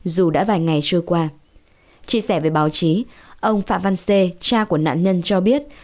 dù đã vài ngày trôi qua chia sẻ với báo chí ông phạm văn xê cha của nạn nhân cho biết